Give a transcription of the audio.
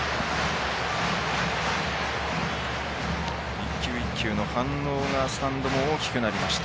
一球一球の反応がスタンドも大きくなりました。